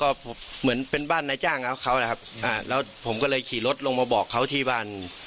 ก็เหมือนเป็นบ้านนายจ้างเขานะครับอ่าแล้วผมก็เลยขี่รถลงมาบอกเขาที่บ้าน